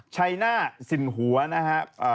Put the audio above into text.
ชัยหน้าสินหัวนะครับ